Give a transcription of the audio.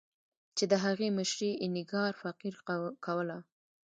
چې د هغې مشري اینیګار فقیر کوله.